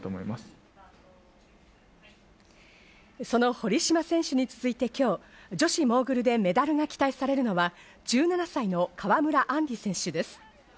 その堀島選手に続いて今日、女子モーグルでメダルが期待されるのは１７歳の川村あんり選手です。